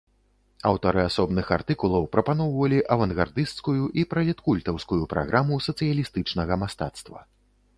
Аўтары асобных артыкулаў прапаноўвалі авангардысцкую і пралеткультаўскую праграму сацыялістычнага мастацтва.